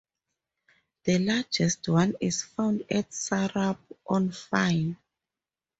The largest one is found at Sarup on Fyn.